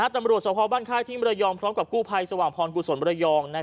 สภาพบ้านค่ายที่มรยองพร้อมกับกู้ภัยสว่างพรกุศลมระยอง